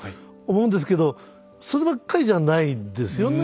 思うんですけどそればっかりじゃないですよね。